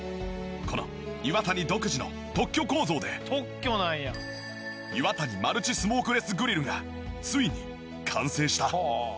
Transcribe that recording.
このイワタニ独自の特許構造でイワタニマルチスモークレスグリルがついに完成した。